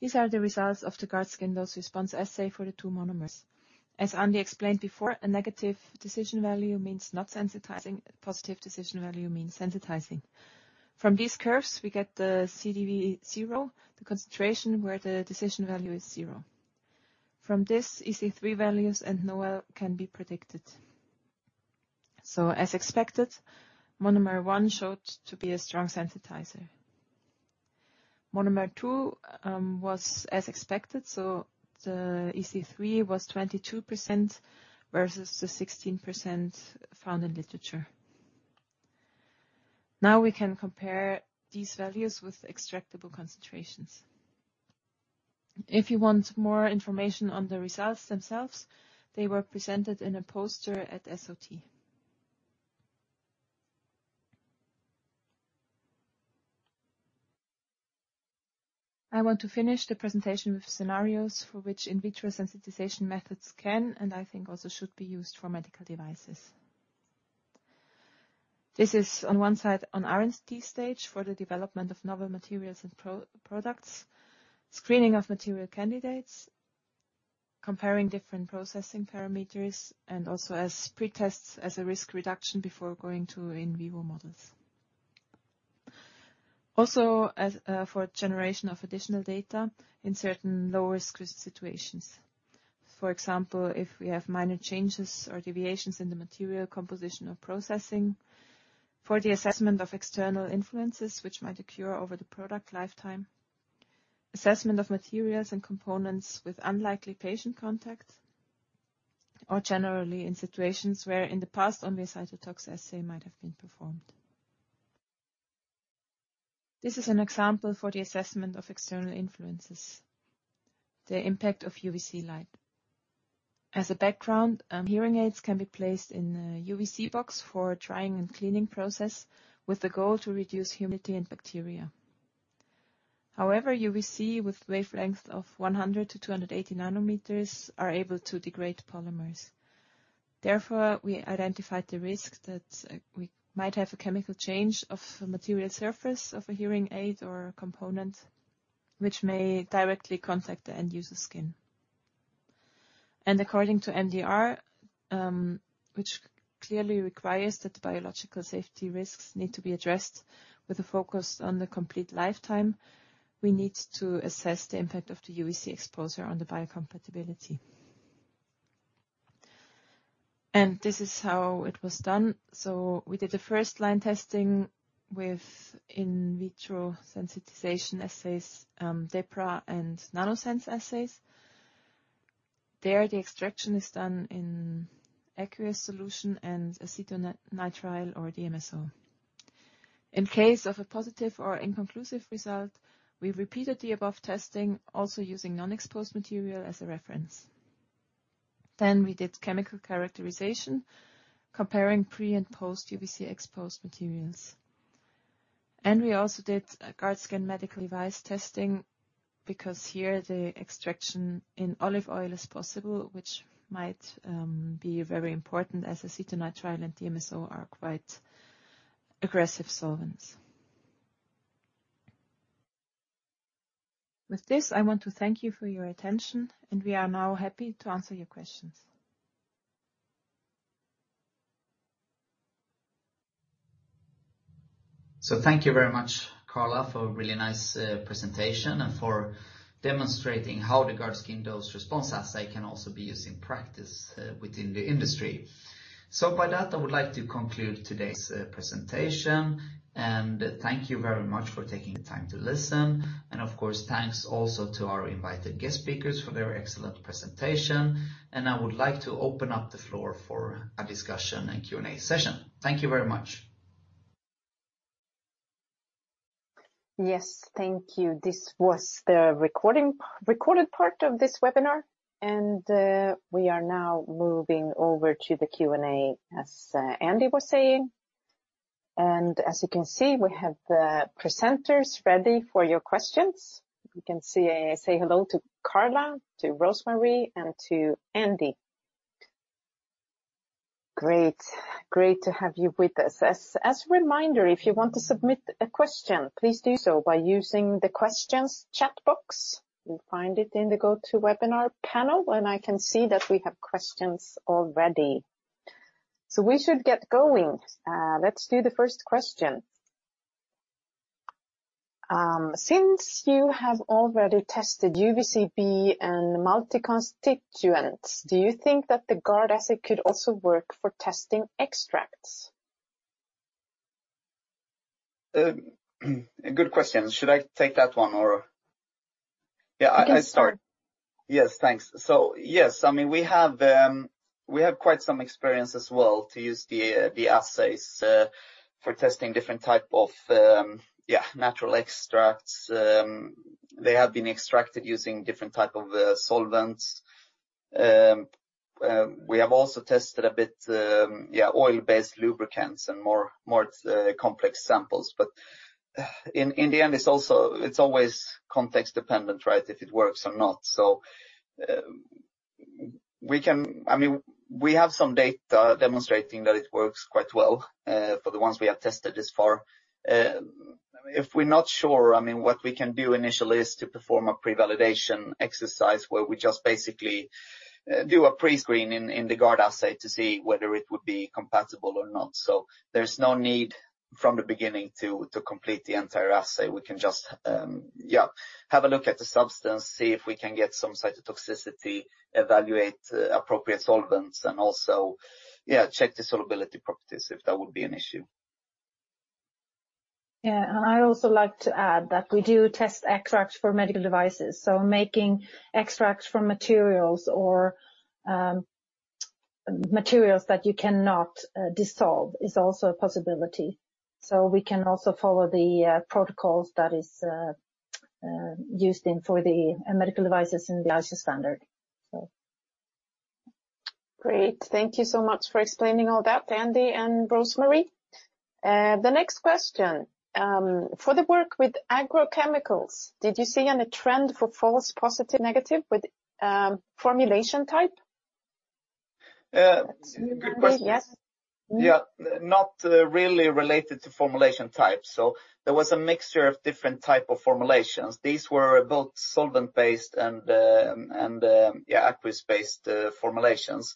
These are the results of the GARDskin Dose-Response assay for the two monomers. As Andy explained before, a negative decision value means not sensitizing, a positive decision value means sensitizing. From these curves, we get the cDV0, the concentration where the decision value is zero. From this, EC3 values and NOAEL can be predicted. As expected, monomer one showed to be a strong sensitizer. Monomer two was as expected, so the EC3 was 22% versus the 16% found in literature. Now we can compare these values with extractable concentrations. If you want more information on the results themselves, they were presented in a poster at SOT. I want to finish the presentation with scenarios for which in vitro sensitization methods can, and I think also should be used for medical devices. This is on one side, on R&D stage for the development of novel materials and proto-products, screening of material candidates, comparing different processing parameters, and also as pretests as a risk reduction before going to in vivo models. Also, as for generation of additional data in certain low-risk situations. For example, if we have minor changes or deviations in the material composition or processing, for the assessment of external influences which might occur over the product lifetime, assessment of materials and components with unlikely patient contact, or generally in situations where in the past only a cytotoxicity assay might have been performed. This is an example for the assessment of external influences, the impact of UVC light. As a background, hearing aids can be placed in a UVC box for drying and cleaning process with the goal to reduce humidity and bacteria. However, UVC with wavelength of 100 nm-280 nm are able to degrade polymers. Therefore, we identified the risk that, we might have a chemical change of the material surface of a hearing aid or a component which may directly contact the end user's skin. According to MDR, which clearly requires that the biological safety risks need to be addressed with a focus on the complete lifetime, we need to assess the impact of the UVC exposure on the biocompatibility. This is how it was done. We did the first line testing with in vitro sensitization assays, DPRA and KeratinoSens assays. There, the extraction is done in aqueous solution and acetonitrile or DMSO. In case of a positive or inconclusive result, we repeated the above testing also using non-exposed material as a reference. We did chemical characterization, comparing pre- and post-UVC exposed materials. We also did a GARDskin Medical Device testing because here the extraction in olive oil is possible, which might be very important as acetonitrile and DMSO are quite aggressive solvents. With this, I want to thank you for your attention, and we are now happy to answer your questions. Thank you very much, Karla, for a really nice presentation and for demonstrating how the GARDskin Dose-Response assay can also be used in practice within the industry. By that, I would like to conclude today's presentation and thank you very much for taking the time to listen. Of course, thanks also to our invited guest speakers for their excellent presentation. I would like to open up the floor for a discussion and Q&A session. Thank you very much. Yes, thank you. This was the recorded part of this webinar, and we are now moving over to the Q&A, as Andy was saying. As you can see, we have the presenters ready for your questions. We can say hello to Karla, to Rose-Marie, and to Andy. Great. Great to have you with us. As a reminder, if you want to submit a question, please do so by using the questions chat box. You'll find it in the GoToWebinar panel, and I can see that we have questions already. We should get going. Let's do the first question. Since you have already tested UVCB and multi-constituents, do you think that the GARD assay could also work for testing extracts? Good question. Should I take that one? Yeah, I start. You can start. Yes. Thanks. Yes, I mean, we have quite some experience as well to use the assays for testing different type of natural extracts. They have been extracted using different type of solvents. We have also tested a bit oil-based lubricants and more complex samples. In the end, it's always context dependent, right, if it works or not. I mean, we have some data demonstrating that it works quite well for the ones we have tested this far. If we're not sure, I mean, what we can do initially is to perform a pre-validation exercise where we just basically do a pre-screening in the GARD assay to see whether it would be compatible or not. There's no need from the beginning to complete the entire assay. We can just have a look at the substance, see if we can get some cytotoxicity, evaluate appropriate solvents, and also check the solubility properties if that would be an issue. I also like to add that we do test extracts for medical devices. Making extracts from materials that you cannot dissolve is also a possibility. We can also follow the protocols that is used for the medical devices in the ISO standard. Great. Thank you so much for explaining all that, Andy and Rose-Marie. The next question, for the work with agrochemicals, did you see any trend for false positive/negative with formulation type? Good question. Yes. Mm-hmm. Yeah. Not really related to formulation type. There was a mixture of different type of formulations. These were both solvent-based and aqueous-based formulations.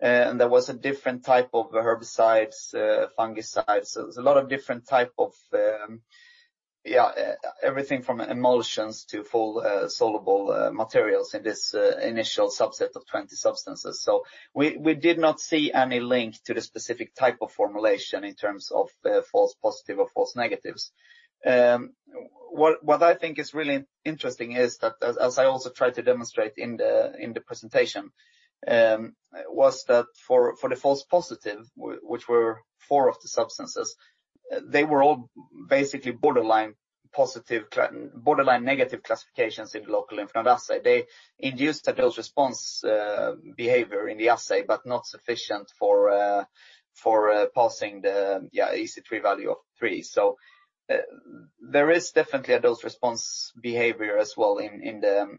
There was a different type of herbicides, fungicides. There was a lot of different type of everything from emulsions to full soluble materials in this initial subset of 20 substances. We did not see any link to the specific type of formulation in terms of false positive or false negatives. What I think is really interesting is that, as I also tried to demonstrate in the presentation, was that for the false positive, which were four of the substances, they were all basically borderline positive borderline negative classifications in Local Lymph Node Assay. They induced a dose-response behavior in the assay, but not sufficient for passing the EC3 value of three. There is definitely a dose-response behavior as well in the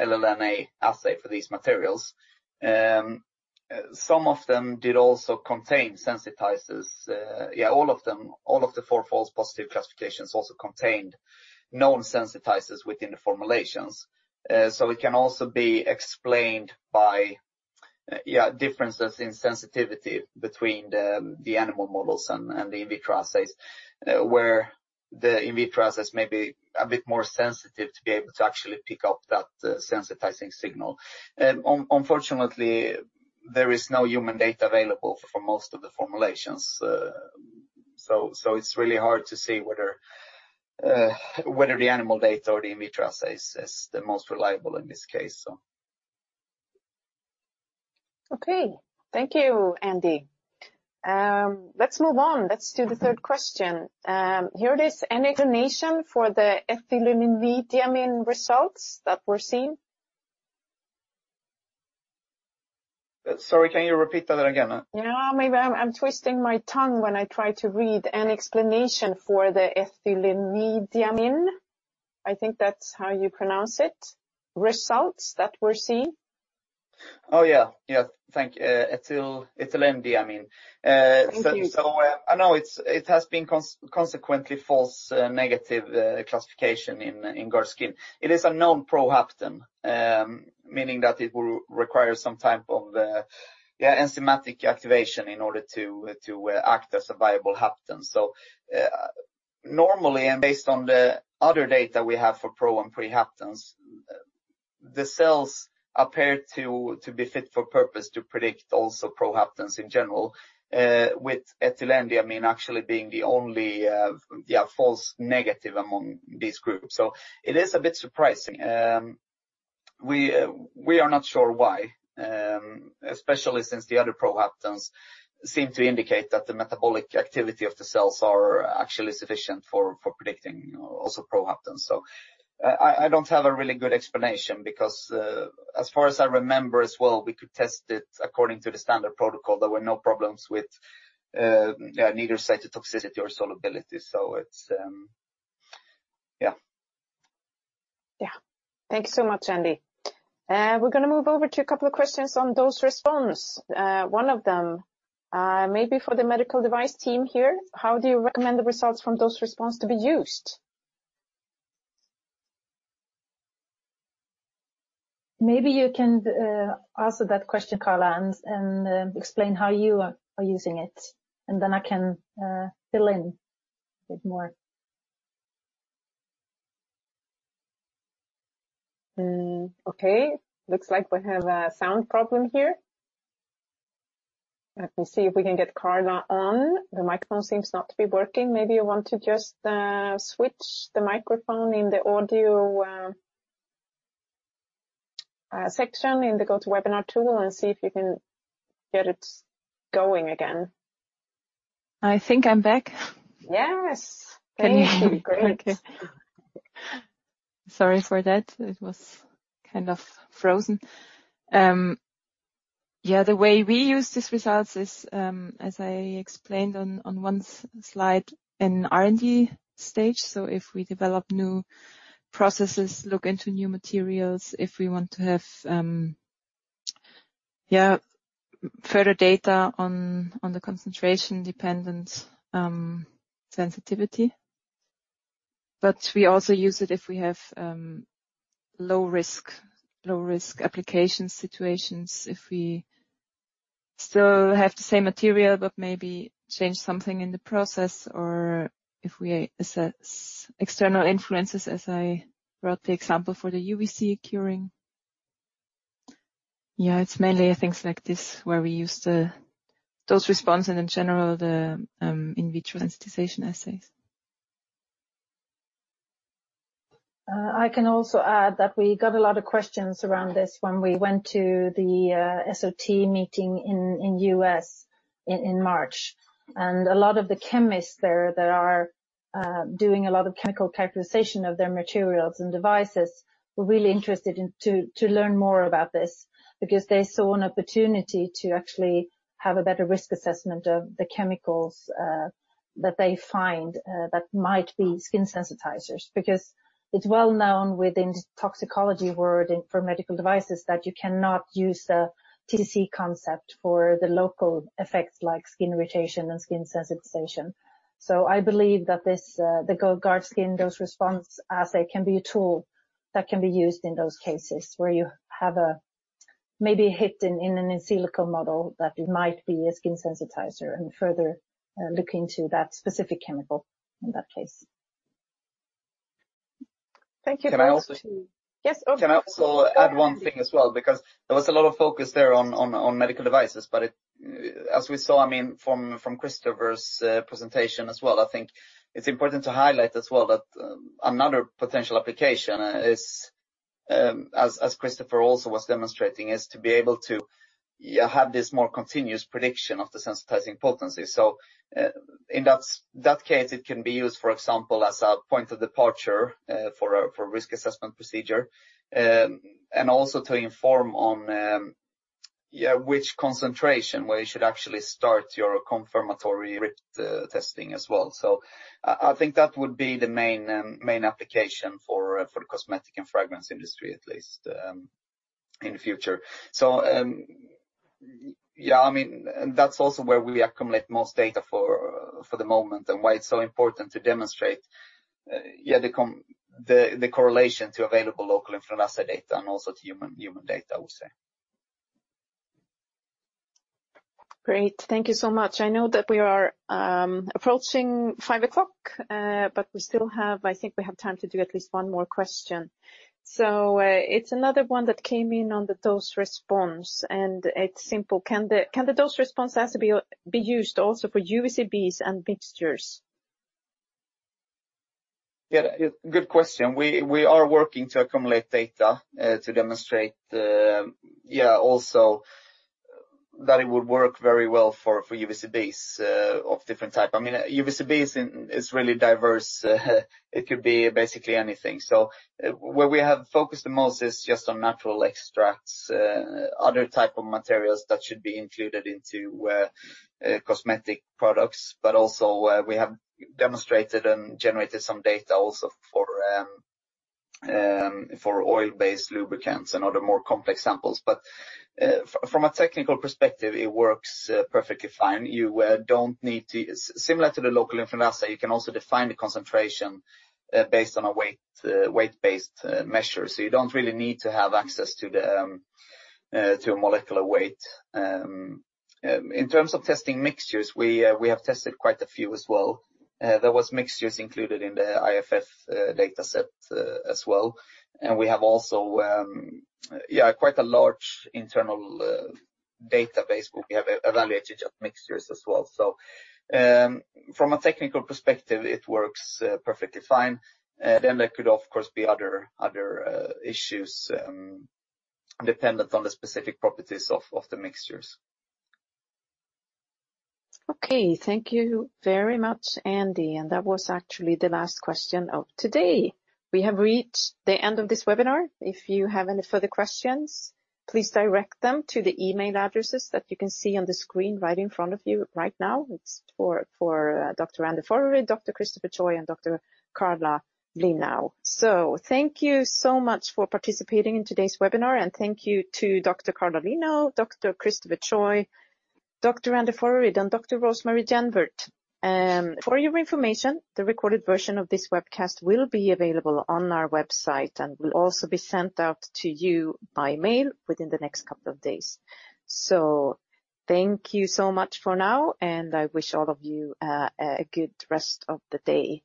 LLNA assay for these materials. Some of them did also contain sensitizers. All of the four false positive classifications also contained known sensitizers within the formulations. It can also be explained by differences in sensitivity between the animal models and the in vitro assays, where the in vitro assays may be a bit more sensitive to be able to actually pick up that sensitizing signal. Unfortunately, there is no human data available for most of the formulations. It's really hard to see whether the animal data or the in vitro assays is the most reliable in this case. Okay. Thank you, Andy. Let's move on. Let's do the third question. Here it is. Any explanation for the ethylenediamine results that we're seeing? Sorry, can you repeat that again? Yeah, maybe I'm twisting my tongue when I try to read. An explanation for the ethylenediamine, I think that's how you pronounce it, results that we're seeing? Oh, yeah. Thank you. Ethylenediamines. Thank you. It has been consequently false negative classification in GARDskin. It is a known prohapten, meaning that it will require some type of enzymatic activation in order to act as a viable hapten. Normally, and based on the other data we have for pro and prehaptens. The cells appear to be fit for purpose to predict also prohaptens in general, with ethylenediamine actually being the only false negative among these groups. It is a bit surprising. We are not sure why, especially since the other prohaptens seem to indicate that the metabolic activity of the cells are actually sufficient for predicting also prohaptens. I don't have a really good explanation because as far as I remember as well, we could test it according to the standard protocol. There were no problems with neither cytotoxicity or solubility. Yeah. Thank you so much, Andy. We're gonna move over to a couple of questions on dose response. One of them may be for the medical device team here. How do you recommend the results from dose response to be used? Maybe you can answer that question, Karla, and explain how you are using it, and then I can fill in a bit more. Okay. Looks like we have a sound problem here. Let me see if we can get Karla on. The microphone seems not to be working. Maybe you want to just switch the microphone in the audio section in the GoToWebinar tool and see if you can get it going again. I think I'm back. Yes. Great. Okay. Sorry for that. It was kind of frozen. The way we use these results is, as I explained on one slide in R&D stage. If we develop new processes, look into new materials, if we want to have further data on the concentration-dependent sensitivity. We also use it if we have low-risk application situations, if we still have the same material, but maybe change something in the process or if we assess external influences, as I brought the example for the UVC curing. It's mainly things like this where we use the dose-response and in general, the in vitro sensitization assays. I can also add that we got a lot of questions around this when we went to the SOT meeting in the U.S. in March. A lot of the chemists there that are doing a lot of chemical characterization of their materials and devices were really interested to learn more about this because they saw an opportunity to actually have a better risk assessment of the chemicals that they find that might be skin sensitizers. It's well known within the toxicology world and for medical devices that you cannot use a TTC concept for the local effects like skin irritation and skin sensitization. I believe that this, the GARDskin Dose-Response assay can be a tool that can be used in those cases where you have maybe a hit in an in silico model that it might be a skin sensitizer and further look into that specific chemical in that case. Thank you. Can I also? Yes. Oh. Can I also add one thing as well? Because there was a lot of focus there on medical devices. As we saw, from Christopher's presentation as well, I think it's important to highlight as well that another potential application is, as Christopher also was demonstrating, is to be able to have this more continuous prediction of the sensitizing potency. In that case, it can be used, for example, as a point of departure for a risk assessment procedure. Also to inform on which concentration where you should actually start your confirmatory HRIPT testing as well. I think that would be the main application for the cosmetic and fragrance industry at least, in the future. Yeah, I mean, and that's also where we accumulate most data for the moment and why it's so important to demonstrate, yeah, the correlation to available local in vitro assay data and also to human data, I would say. Great. Thank you so much. I know that we are approaching 5:00 P.M. but we still have. I think we have time to do at least one more question. It's another one that came in on the dose response, and it's simple. Can the dose response assay be used also for UVCBs and mixtures? Yeah, good question. We are working to accumulate data to demonstrate also that it would work very well for UVCBs of different type. I mean, UVCBs is really diverse. It could be basically anything. So where we have focused the most is just on natural extracts, other type of materials that should be included into cosmetic products. But also, we have demonstrated and generated some data also for oil-based lubricants and other more complex samples. But from a technical perspective, it works perfectly fine. Similar to the local in vitro assay, you can also define the concentration based on a weight-based measure. So you don't really need to have access to a molecular weight. In terms of testing mixtures, we have tested quite a few as well. There was mixtures included in the IFF dataset as well. We have also, yeah, quite a large internal database where we have evaluated mixtures as well. From a technical perspective, it works perfectly fine. There could, of course, be other issues dependent on the specific properties of the mixtures. Okay. Thank you very much, Andy. That was actually the last question of today. We have reached the end of this webinar. If you have any further questions, please direct them to the email addresses that you can see on the screen right in front of you right now. It's for Dr. Andy Forreryd, Dr. Christopher Choi, and Dr. Karla Lienau. Thank you so much for participating in today's webinar, and thank you to Dr. Karla Lienau, Dr. Christopher Choi, Dr. Andy Forreryd, and Dr. Rose-Marie Jenvert. For your information, the recorded version of this webcast will be available on our website and will also be sent out to you by mail within the next couple of days. Thank you so much for now, and I wish all of you a good rest of the day.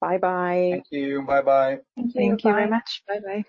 Bye-bye. Thank you. Bye-bye. Thank you. Bye. Thank you very much. Bye-bye.